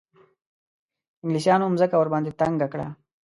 انګلیسیانو مځکه ورباندې تنګه کړه.